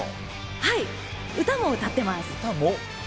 はい、歌も歌ってます。